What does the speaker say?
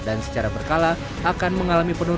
dan secara berkala akan berhubungan dengan jalur arteri